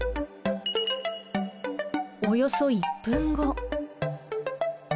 およそ１分後。